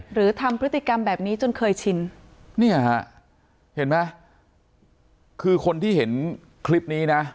หรือทำพฤติกรรมแบบนี้จนเคยชินเนี่ยฮะเห็นไหมคือคนที่เห็นคลิปนี้นะ